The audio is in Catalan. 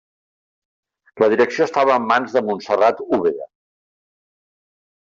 La direcció estava en mans de Montserrat Úbeda.